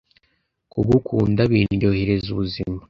kugukunda bindyohereza ubuzima